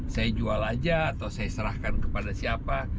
saya jual aja atau saya serahkan kepada siapa